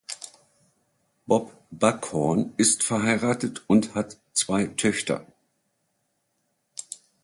Bob Buckhorn ist verheiratet und hat zwei Töchter.